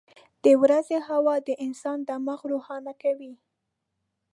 • د ورځې هوا د انسان دماغ روښانه کوي.